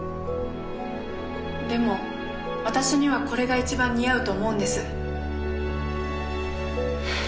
でも私にはこれが一番似合うと思うんです。